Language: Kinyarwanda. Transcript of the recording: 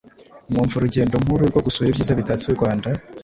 Mwumva urugendo nk’uru rwo gusura ibyiza bitatse u Rwanda